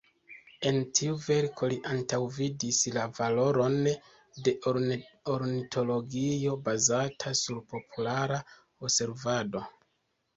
En tiu verko li antaŭvidis la valoron de ornitologio bazata sur populara observado.